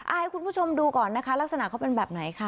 ให้คุณผู้ชมดูก่อนนะคะลักษณะเขาเป็นแบบไหนคะ